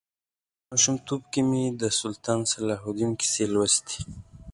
په ماشومتوب کې مې د سلطان صلاح الدین کیسې لوستې.